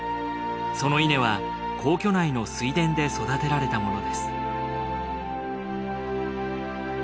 その稲は皇居内の水田で育てられたものです